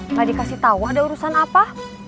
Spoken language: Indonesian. nggak dikasih tahu ada urusan apa